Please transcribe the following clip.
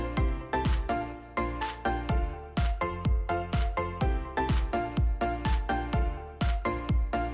menghitung video tersebut